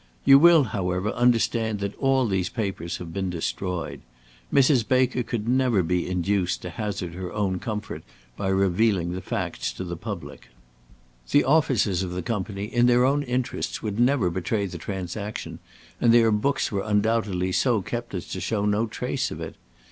You will, however, understand that all these papers have been destroyed. Mrs. Baker could never be induced to hazard her own comfort by revealing the facts to the public. The officers of the Company in their own interests would never betray the transaction, and their books were undoubtedly so kept as to show no trace of it.